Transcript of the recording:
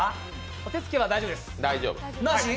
お手つきは大丈夫です。